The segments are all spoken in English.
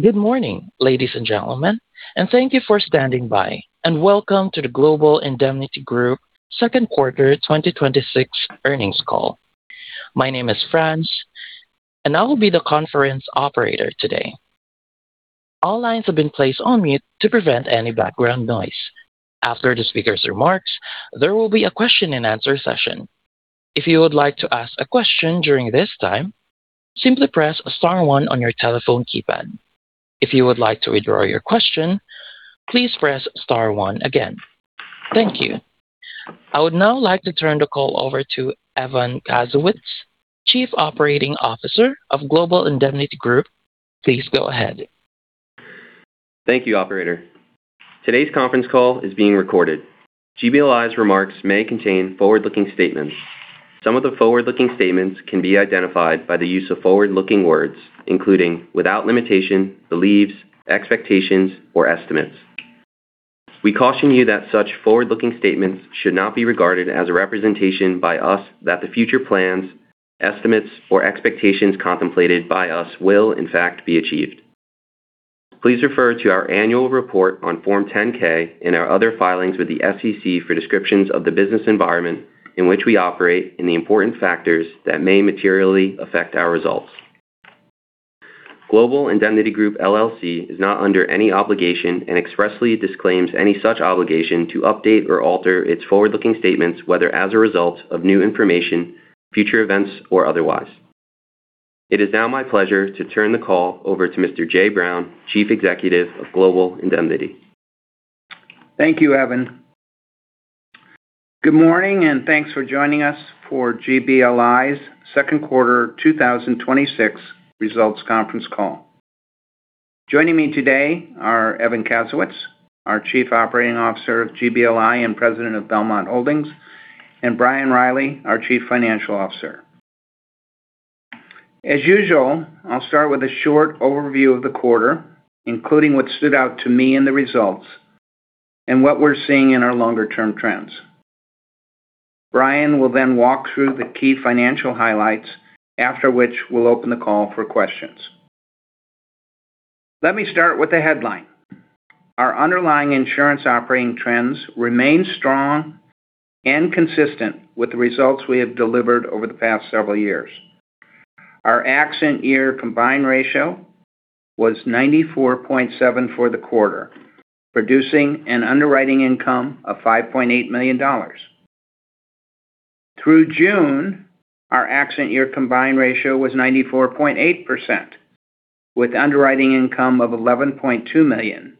Good morning, ladies and gentlemen, and thank you for standing by, and welcome to the Global Indemnity Group second quarter 2026 earnings call. My name is Franz, and I will be the conference operator today. All lines have been placed on mute to prevent any background noise. After the speaker's remarks, there will be a question-and-answer session. If you would like to ask a question during this time, simply press star one on your telephone keypad. If you would like to withdraw your question, please press star one again. Thank you. I would now like to turn the call over to Evan Kasowitz, Chief Operating Officer of Global Indemnity Group. Please go ahead. Thank you, Operator. Today's conference call is being recorded. GBLI's remarks may contain forward-looking statements. Some of the forward-looking statements can be identified by the use of forward-looking words, including, without limitation, believes, expectations, or estimates. We caution you that such forward-looking statements should not be regarded as a representation by us that the future plans, estimates, or expectations contemplated by us will in fact be achieved. Please refer to our annual report on Form 10-K and our other filings with the SEC for descriptions of the business environment in which we operate and the important factors that may materially affect our results. Global Indemnity Group, LLC is not under any obligation and expressly disclaims any such obligation to update or alter its forward-looking statements, whether as a result of new information, future events, or otherwise. It is now my pleasure to turn the call over to Mr. Jay Brown, Chief Executive of Global Indemnity. Thank you, Evan. Good morning, and thanks for joining us for GBLI's second quarter 2026 results conference call. Joining me today are Evan Kasowitz, our Chief Operating Officer of GBLI and President of Belmont Holdings, and Brian Riley, our Chief Financial Officer. As usual, I'll start with a short overview of the quarter, including what stood out to me in the results and what we're seeing in our longer-term trends. Brian will then walk through the key financial highlights, after which we'll open the call for questions. Let me start with the headline. Our underlying insurance operating trends remain strong and consistent with the results we have delivered over the past several years. Our accident year combined ratio was 94.7 for the quarter, producing an underwriting income of $5.8 million. Through June, our accident year combined ratio was 94.8%, with underwriting income of $11.2 million,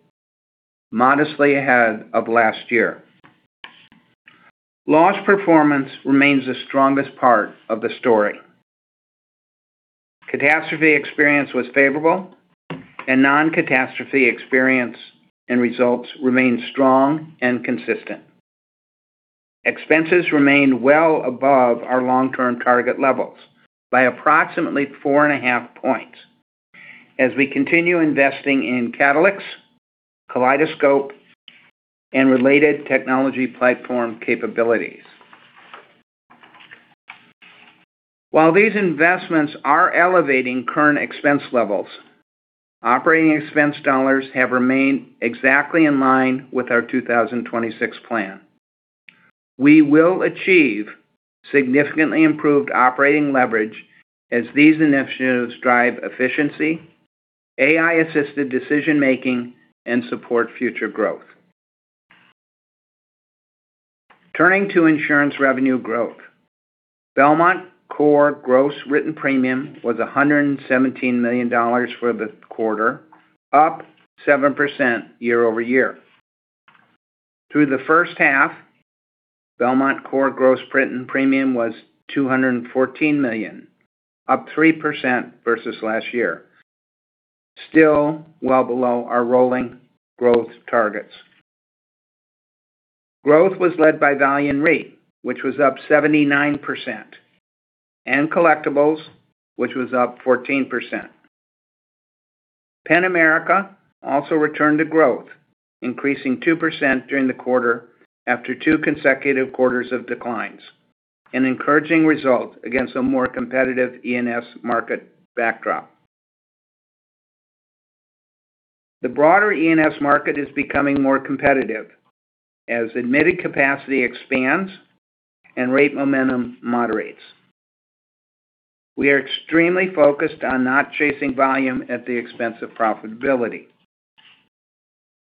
modestly ahead of last year. Loss performance remains the strongest part of the story. Catastrophe experience was favorable, and non-catastrophe experience and results remained strong and consistent. Expenses remained well above our long-term target levels by approximately 4.5 points as we continue investing in Katalyx, Kaleidoscope, and related technology platform capabilities. While these investments are elevating current expense levels, operating expense dollars have remained exactly in line with our 2026 plan. We will achieve significantly improved operating leverage as these initiatives drive efficiency, AI-assisted decision making, and support future growth. Turning to insurance revenue growth. Belmont Core gross written premium was $117 million for the quarter, up 7% year-over-year. Through the first half, Belmont Core gross written premium was $214 million, up 3% versus last year, still well below our rolling growth targets. Growth was led by Valiant Re, which was up 79%, and Collectibles, which was up 14%. Penn-America also returned to growth, increasing 2% during the quarter after two consecutive quarters of declines, an encouraging result against a more competitive E&S market backdrop. The broader E&S market is becoming more competitive as admitted capacity expands and rate momentum moderates. We are extremely focused on not chasing volume at the expense of profitability.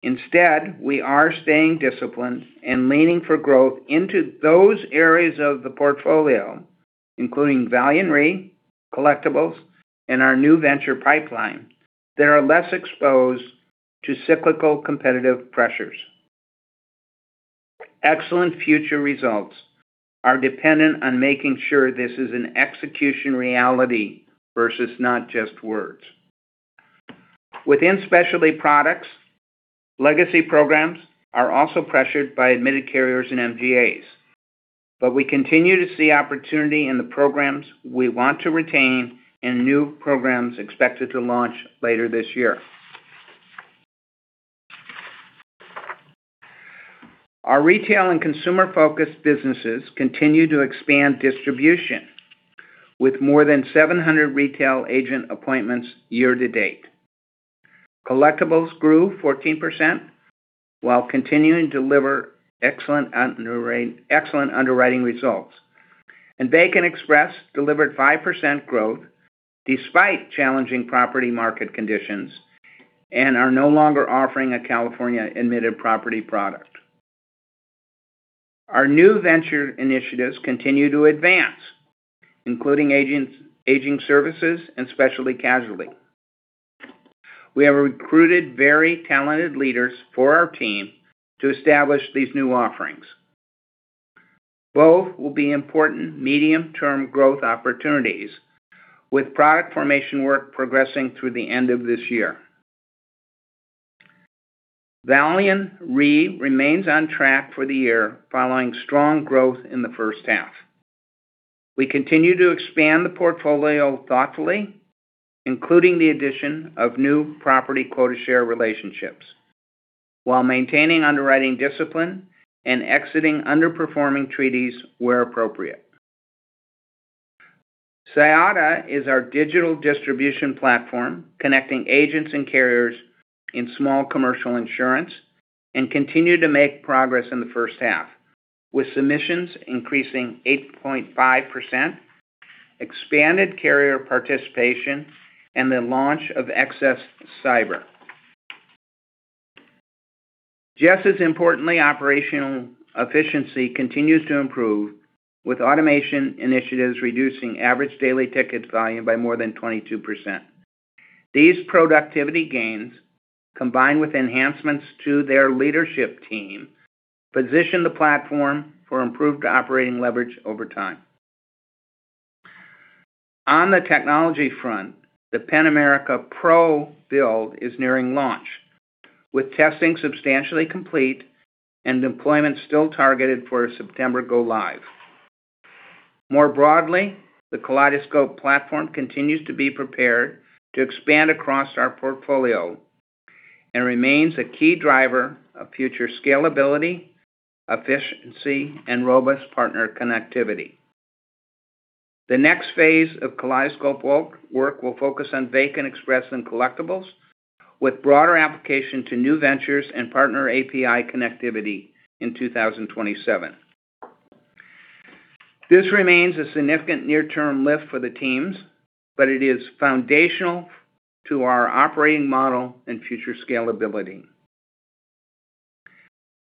Instead, we are staying disciplined and leaning for growth into those areas of the portfolio, including Valiant Re, Collectibles, and our new venture pipeline that are less exposed to cyclical competitive pressures. Excellent future results are dependent on making sure this is an execution reality versus not just words. Within specialty products, legacy programs are also pressured by admitted carriers and MGAs. But we continue to see opportunity in the programs we want to retain and new programs expected to launch later this year. Our retail and consumer-focused businesses continue to expand distribution with more than 700 retail agent appointments year-to-date. Collectibles grew 14% while continuing to deliver excellent underwriting results. And Vacant Express delivered 5% growth despite challenging property market conditions and are no longer offering a California admitted property product. Our new venture initiatives continue to advance, including aging services and specialty casualty. We have recruited very talented leaders for our team to establish these new offerings. Both will be important medium-term growth opportunities with product formation work progressing through the end of this year. Valiant Re remains on track for the year following strong growth in the first half. We continue to expand the portfolio thoughtfully, including the addition of new property quota share relationships while maintaining underwriting discipline and exiting underperforming treaties where appropriate. Sayata is our digital distribution platform connecting agents and carriers in small commercial insurance and continued to make progress in the first half, with submissions increasing 8.5%, expanded carrier participation, and the launch of Excess Cyber. Just as importantly, operational efficiency continues to improve with automation initiatives reducing average daily tickets volume by more than 22%. These productivity gains, combined with enhancements to their leadership team, position the platform for improved operating leverage over time. On the technology front, the Penn-America Pro build is nearing launch, with testing substantially complete and deployment still targeted for a September go live. More broadly, the Kaleidoscope platform continues to be prepared to expand across our portfolio and remains a key driver of future scalability, efficiency, and robust partner connectivity. The next phase of Kaleidoscope work will focus on Vacant Express and Collectibles with broader application to new ventures and partner API connectivity in 2027. This remains a significant near-term lift for the teams, but it is foundational to our operating model and future scalability.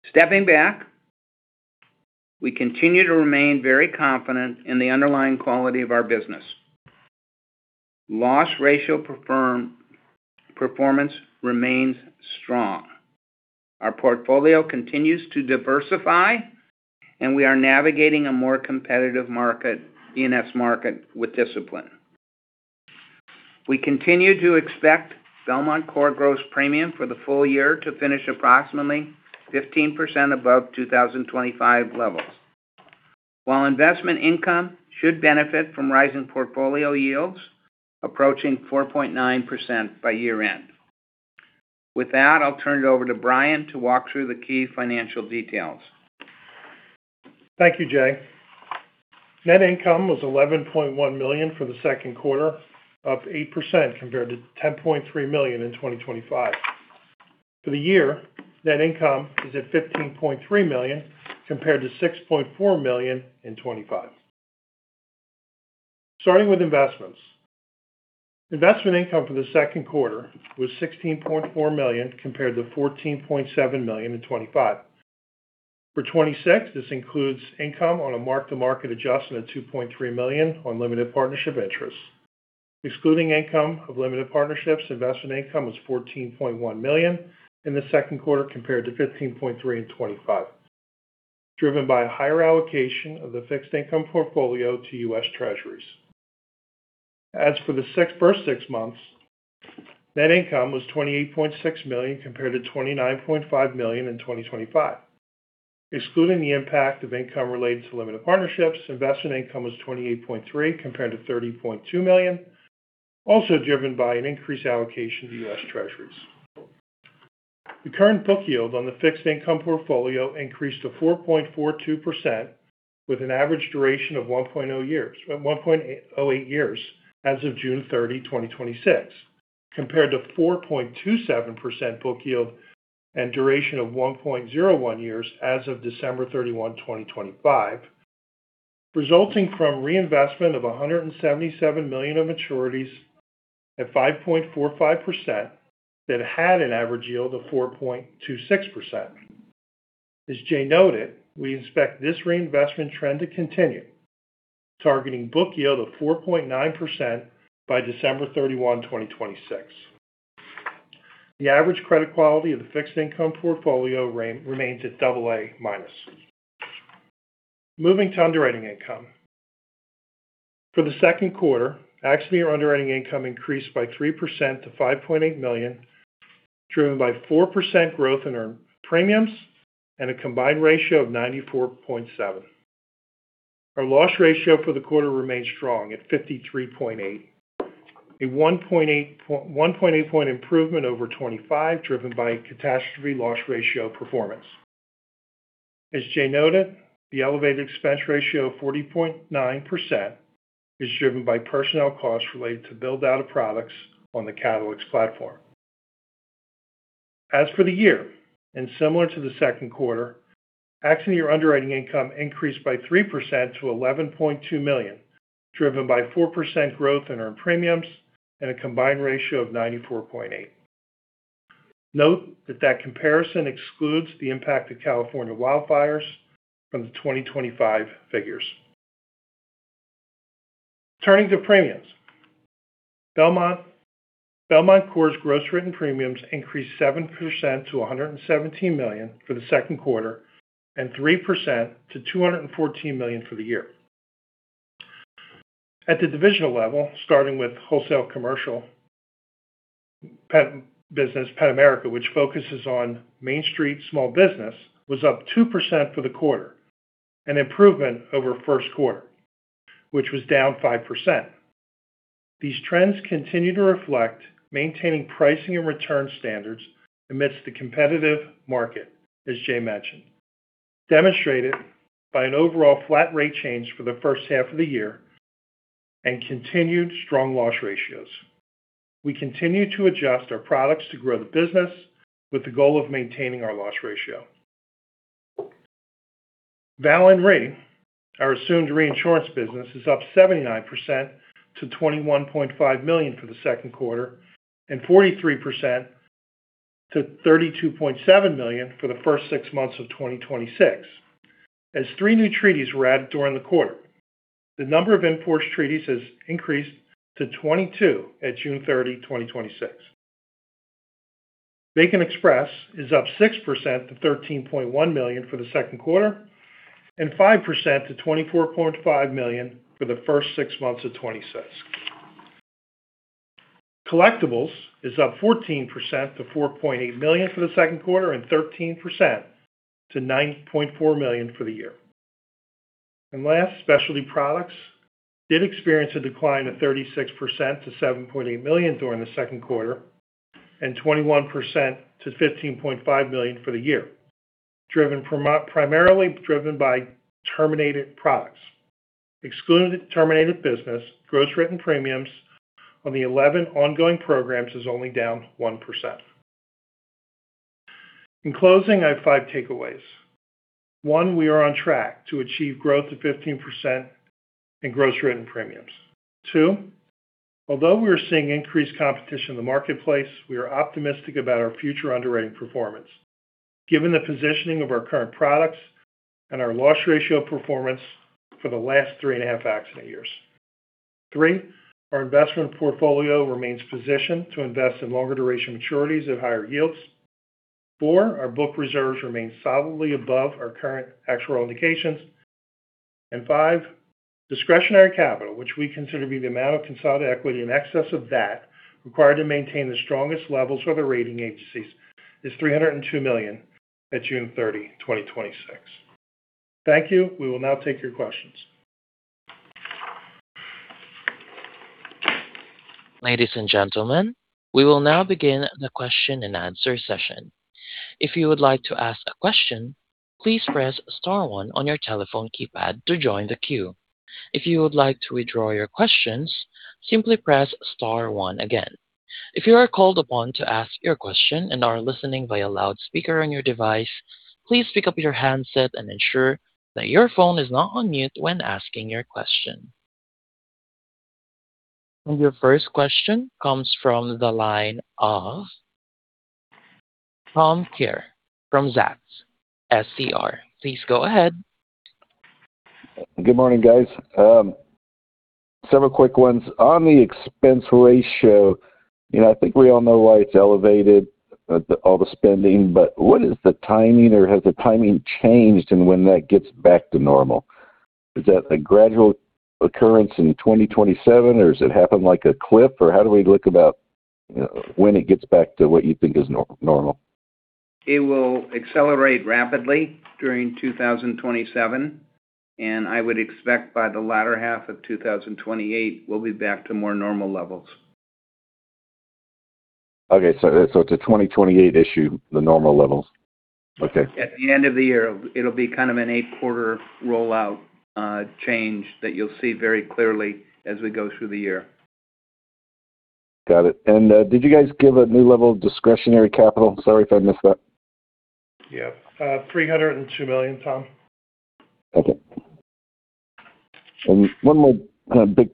Stepping back, we continue to remain very confident in the underlying quality of our business. Loss ratio performance remains strong. Our portfolio continues to diversify, and we are navigating a more competitive E&S market with discipline. We continue to expect Belmont Core gross premium for the full year to finish approximately 15% above 2025 levels, while investment income should benefit from rising portfolio yields approaching 4.9% by year end. With that, I'll turn it over to Brian to walk through the key financial details. Thank you, Jay. Net income was $11.1 million for the second quarter, up 8% compared to $10.3 million in 2025. For the year, net income is at $15.3 million, compared to $6.4 million in 2025. Starting with investments. Investment income for the second quarter was $16.4 million, compared to $14.7 million in 2025. For 2026, this includes income on a mark-to-market adjustment of $2.3 million on limited partnership interests. Excluding income of limited partnerships, investment income was $14.1 million in the second quarter, compared to $15.3 million in 2025, driven by a higher allocation of the fixed income portfolio to US Treasuries. As for the first six months, net income was $28.6 million compared to $29.5 million in 2025. Excluding the impact of income related to limited partnerships, investment income was $28.3 million compared to $30.2 million, also driven by an increased allocation to US Treasuries. The current book yield on the fixed income portfolio increased to 4.42% with an average duration of 1.08 years as of June 30, 2026, compared to 4.27% book yield and duration of 1.01 years as of December 31, 2025, resulting from reinvestment of $177 million of maturities at 5.45% that had an average yield of 4.26%. As Jay noted, we expect this reinvestment trend to continue, targeting book yield of 4.9% by December 31, 2026. The average credit quality of the fixed income portfolio remains at AA-. Moving to underwriting income. For the second quarter, accident year underwriting income increased by 3% to $5.8 million, driven by 4% growth in earned premiums and a combined ratio of 94.7.% Our loss ratio for the quarter remains strong at 53.8%. A 1.8 point improvement over 2025, driven by catastrophe loss ratio performance. As Jay noted, the elevated expense ratio of 40.9% is driven by personnel costs related to build-out of products on the Katalyx platform. As for the year, and similar to the second quarter, accident year underwriting income increased by 3% to $11.2 million, driven by 4% growth in earned premiums and a combined ratio of 94.8. Note that that comparison excludes the impact of California wildfires from the 2025 figures. Turning to premiums. Belmont Core's gross written premiums increased 7% to $117 million for the second quarter, and 3% to $214 million for the year. At the divisional level, starting with wholesale commercial business, Penn-America, which focuses on Main Street small business, was up 2% for the quarter, an improvement over first quarter, which was down 5%. These trends continue to reflect maintaining pricing and return standards amidst the competitive market, as Jay mentioned, demonstrated by an overall flat rate change for the first half of the year and continued strong loss ratios. We continue to adjust our products to grow the business with the goal of maintaining our loss ratio. Valiant Re, our assumed reinsurance business is up 79% to $21.5 million for the second quarter, and 43% to $32.7 million for the first six months of 2026. As three new treaties were added during the quarter, the number of in-force treaties has increased to 22% at June 30, 2026. Vacant Express is up 6% to $13.1 million for the second quarter, and 5% to $24.5 million for the first six months of 2026. Collectibles is up 14% to $4.8 million for the second quarter, and 13% to $9.4 million for the year. Last, specialty products did experience a decline of 36% to $7.8 million during the second quarter, and 21% to $15.5 million for the year, primarily driven by terminated products. Excluding the terminated business, gross written premiums on the 11 ongoing programs is only down 1%. In closing, I have five takeaways. One, we are on track to achieve growth of 15% in gross written premiums. Two, although we are seeing increased competition in the marketplace, we are optimistic about our future underwriting performance given the positioning of our current products and our loss ratio performance for the last three and a half accident years. Three, our investment portfolio remains positioned to invest in longer duration maturities at higher yields. Four, our book reserves remain solidly above our current actuarial indications. Five, discretionary capital, which we consider to be the amount of consolidated equity in excess of that required to maintain the strongest levels for the rating agencies, is $302 million at June 30, 2026. Thank you. We will now take your questions. Ladies and gentlemen, we will now begin the question-and-answer session. If you would like to ask a question, please press star one on your telephone keypad to join the queue. If you would like to withdraw your questions, simply press star one again. If you are called upon to ask your question and are listening via loudspeaker on your device, please pick up your handset and ensure that your phone is not on mute when asking your question. Your first question comes from the line of Tom Kerr from Zacks SCR. Please go ahead. Good morning, guys. Several quick ones. On the expense ratio, I think we all know why it's elevated, all the spending. What is the timing, or has the timing changed in when that gets back to normal? Is that a gradual occurrence in 2027, or does it happen like a cliff? How do we look about when it gets back to what you think is normal? It will accelerate rapidly during 2027, and I would expect by the latter half of 2028, we'll be back to more normal levels. Okay. It's a 2028 issue, the normal levels? Okay. At the end of the year, it'll be kind of an eight-quarter rollout change that you'll see very clearly as we go through the year. Got it. Did you guys give a new level of discretionary capital? Sorry if I missed that. Yep. $302 million, Tom. Okay. One more kind of big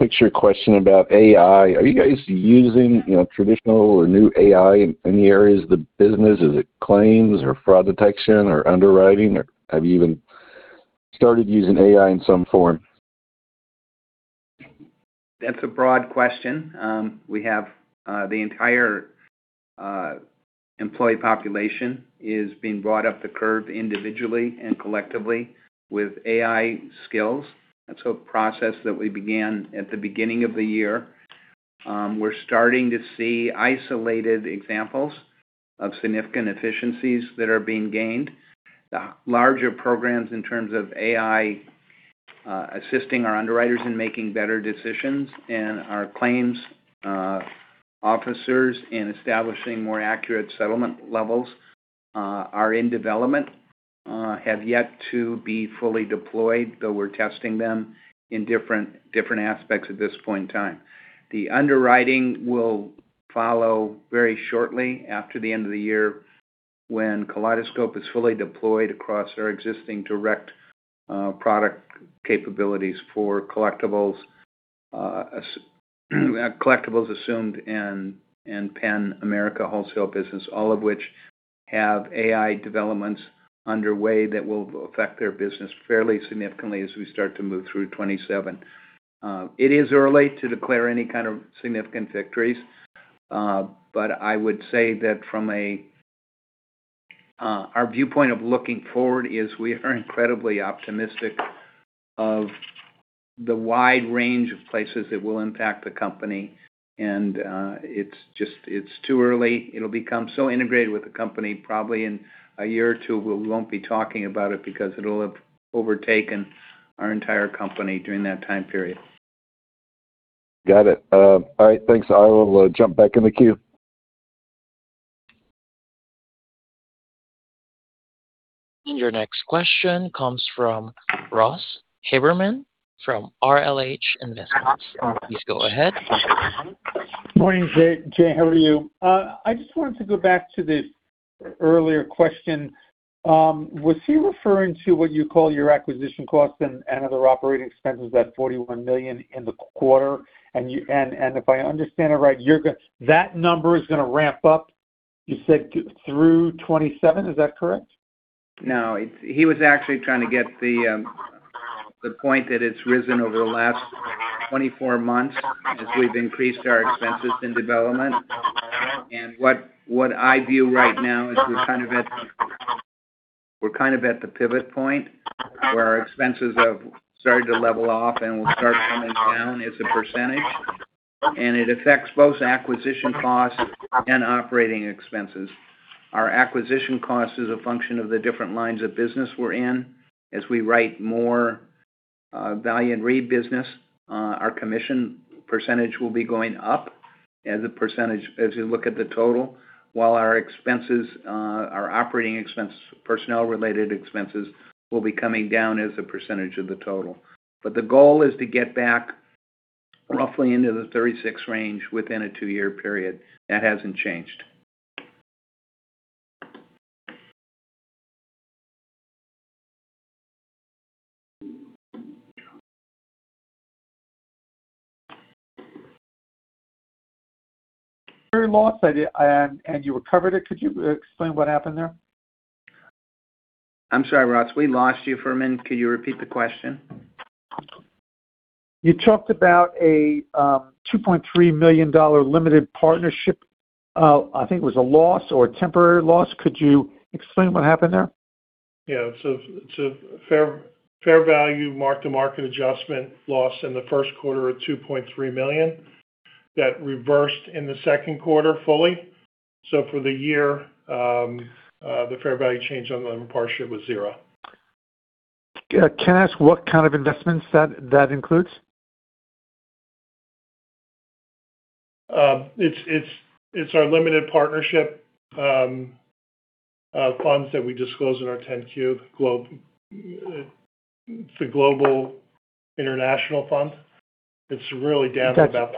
picture question about AI. Are you guys using traditional or new AI in any areas of the business? Is it claims or fraud detection or underwriting, or have you even started using AI in some form? That's a broad question. The entire employee population is being brought up the curve individually and collectively with AI skills. That's a process that we began at the beginning of the year. We're starting to see isolated examples of significant efficiencies that are being gained. The larger programs in terms of AI, assisting our underwriters in making better decisions, and our claims officers in establishing more accurate settlement levels are in development, have yet to be fully deployed, though we're testing them in different aspects at this point in time. The underwriting will follow very shortly after the end of the year when Kaleidoscope is fully deployed across our existing direct product capabilities for Collectibles assumed, and Penn-America wholesale business, all of which have AI developments underway that will affect their business fairly significantly as we start to move through 2027. It is early to declare any kind of significant victories, but I would say that our viewpoint of looking forward is we are incredibly optimistic of the wide range of places that will impact the company. It's too early. It'll become so integrated with the company probably in a year or two, we won't be talking about it because it'll have overtaken our entire company during that time period. Got it. All right, thanks. I will jump back in the queue. Your next question comes from Ross Haberman from RLH Investments. Please go ahead. Morning, Jay. How are you? I just wanted to go back to this earlier question. Was he referring to what you call your acquisition costs and other operating expenses, that $41 million in the quarter? If I understand it right, that number is going to ramp up, you said, through 2027, is that correct? No, he was actually trying to get the point that it's risen over the last 24 months as we've increased our expenses in development. What I view right now is we're at the pivot point where our expenses have started to level off and will start coming down as a percentage. It affects both acquisition costs and operating expenses. Our acquisition cost is a function of the different lines of business we're in. As we write more Valiant Re business, our commission percentage will be going up as a percentage as you look at the total, while our operating expense, personnel-related expenses, will be coming down as a percentage of the total. The goal is to get back roughly into the 36 range within a two-year period. That hasn't changed. Temporary loss and you recovered it. Could you explain what happened there? I'm sorry, Ross, we lost you for a minute. Could you repeat the question? You talked about a $2.3 million limited partnership, I think it was a loss or a temporary loss. Could you explain what happened there? Yeah. It's a fair value mark-to-market adjustment loss in the first quarter of $2.3 million that reversed in the second quarter fully. For the year, the fair value change on the limited partnership was zero. Can I ask what kind of investments that includes? It's our limited partnership funds that we disclose in our 10-Q. It's a global international fund. It's really down to about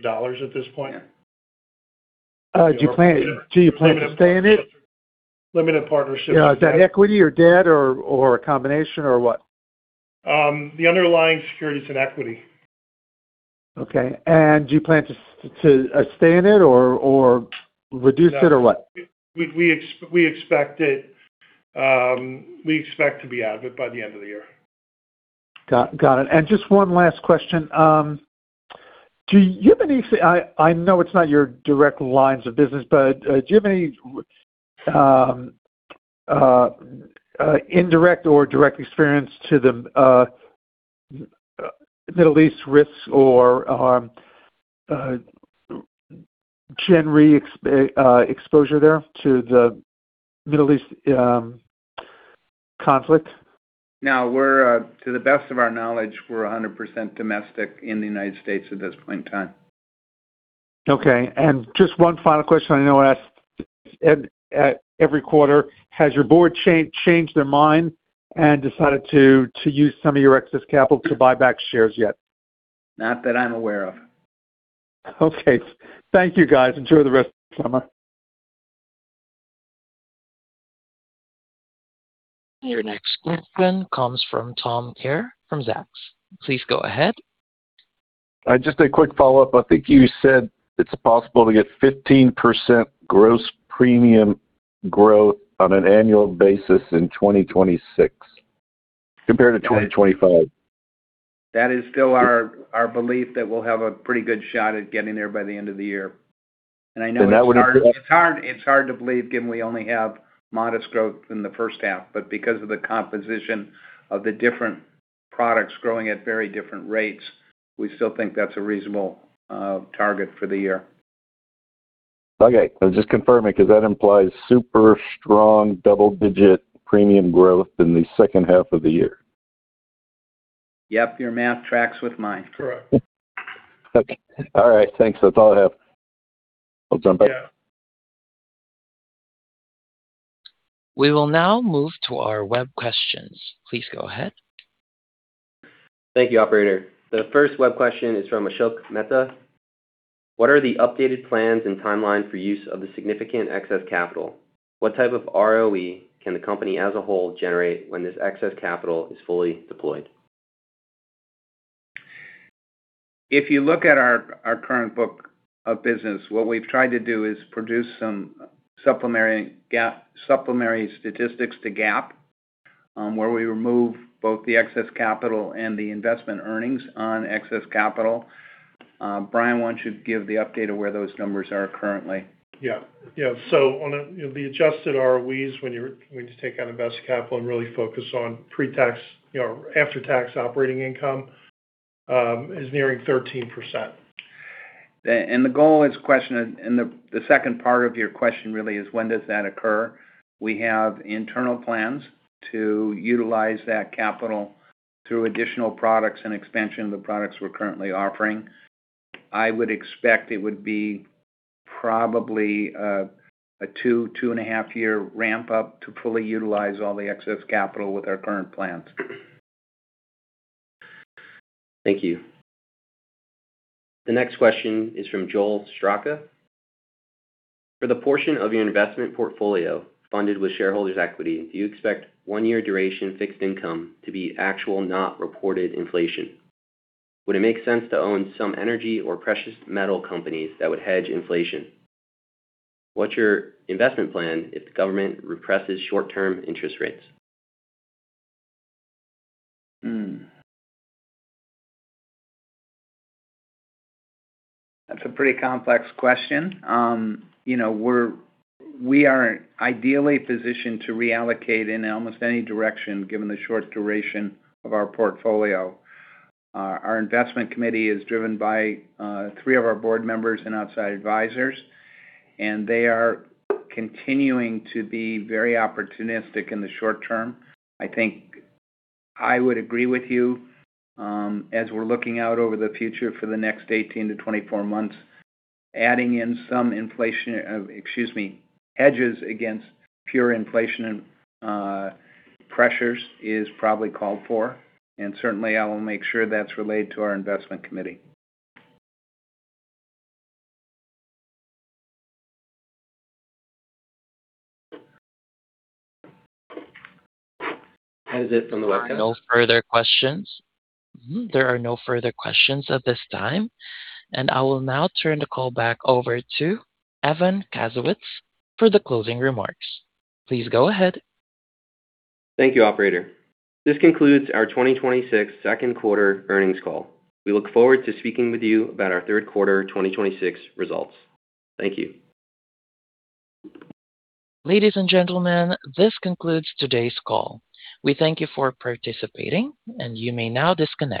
$1 million at this point. Do you plan to stay in it? Limited partnership. Is that equity or debt or a combination, or what? The underlying security is in equity. Okay. Do you plan to stay in it or reduce it, or what? We expect to be out of it by the end of the year. Got it. Just one last question. I know it's not your direct lines of business, but do you have any indirect or direct experience to the Middle East risks or Gen Re exposure there to the Middle East conflict? No. To the best of our knowledge, we're 100% domestic in the United States at this point in time. Okay. Just one final question I know I ask every quarter, has your board changed their mind and decided to use some of your excess capital to buy back shares yet? Not that I'm aware of. Okay. Thank you, guys. Enjoy the rest of the summer. Your next question comes from Tom Kerr from Zacks. Please go ahead. Just a quick follow-up. I think you said it's possible to get 15% gross premium growth on an annual basis in 2026 compared to 2025. That is still our belief, that we'll have a pretty good shot at getting there by the end of the year. I know it's hard to believe, given we only have modest growth in the first half, because of the composition of the different products growing at very different rates, we still think that's a reasonable target for the year. Okay. I was just confirming, that implies super strong double-digit premium growth in the second half of the year. Yep. Your math tracks with mine. Correct. Okay. All right. Thanks. That's all I have. I'll jump back. Yeah. We will now move to our web questions. Please go ahead. Thank you, operator. The first web question is from Ashok Mehta. What are the updated plans and timeline for use of the significant excess capital? What type of ROE can the company as a whole generate when this excess capital is fully deployed? If you look at our current book of business, what we've tried to do is produce some supplementary statistics to GAAP, where we remove both the excess capital and the investment earnings on excess capital. Brian, why don't you give the update of where those numbers are currently? Yeah. On the adjusted ROEs, when you take out invested capital and really focus on after-tax operating income, is nearing 13%. The second part of your question really is when does that occur? We have internal plans to utilize that capital through additional products and expansion of the products we're currently offering. I would expect it would be probably a two, two and a half year ramp up to fully utilize all the excess capital with our current plans. Thank you. The next question is from Joel Straka. For the portion of your investment portfolio funded with shareholders' equity, do you expect one-year duration fixed income to be actual, not reported inflation? Would it make sense to own some energy or precious metal companies that would hedge inflation? What's your investment plan if the government represses short-term interest rates? That's a pretty complex question. We are ideally positioned to reallocate in almost any direction, given the short duration of our portfolio. Our investment committee is driven by three of our board members and outside advisors. They are continuing to be very opportunistic in the short term. I think I would agree with you. As we're looking out over the future for the next 18 to 24 months, adding in some hedges against pure inflation pressures is probably called for. Certainly I will make sure that's relayed to our investment committee. How is it on the webcast? No further questions. There are no further questions at this time, and I will now turn the call back over to Evan Kasowitz for the closing remarks. Please go ahead. Thank you, Operator. This concludes our 2026 second quarter earnings call. We look forward to speaking with you about our third quarter 2026 results. Thank you. Ladies and gentlemen, this concludes today's call. We thank you for participating, and you may now disconnect.